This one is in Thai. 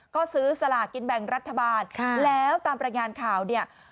ก็ซื้อสลากินแบ่งรัฐบาลแล้วตามรายงานข่าวเนี่ย